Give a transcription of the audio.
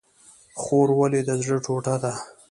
خور ولې د زړه ټوټه ده؟